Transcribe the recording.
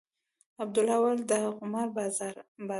عبدالله وويل دا قمار بازان دي.